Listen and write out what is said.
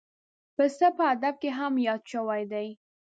پسه په ادب کې هم یاد شوی دی.